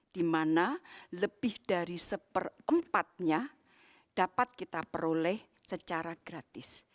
di mana lebih dari seperempatnya dapat kita peroleh secara gratis